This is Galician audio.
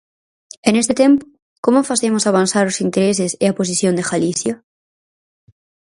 E neste tempo, ¿como facemos avanzar os intereses e a posición de Galicia?